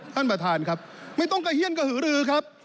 ท่านประธานครับไม่ต้องกระเฮียนกระหือรือครับ